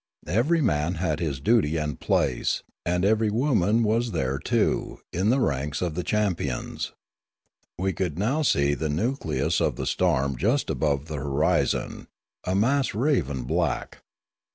Every man had his duty and place; and every woman was there, too, in the ranks of champions. We could now see the nucleus of the storm just above the horizon, a mass raven black.